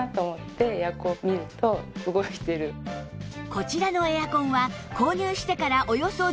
こちらのエアコンは購入してからおよそ１３年